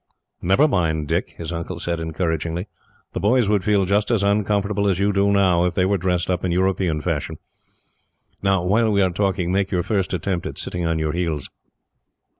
"Never mind, Dick," his uncle said, encouragingly. "The boys would feel just as uncomfortable as you do now, if they were dressed up in European fashion. Now, while we are talking, make your first attempt at sitting on your heels."